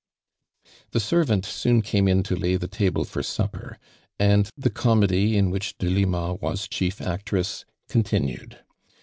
The servant soon came in to lay the table for supper, and the comedy in which Delima was chief actress, continued.